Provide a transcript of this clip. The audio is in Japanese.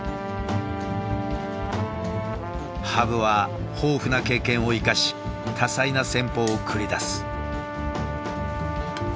羽生は豊富な経験を生かし多彩な戦法を繰り出す。